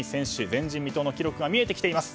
前人未到の記録が見えてきています。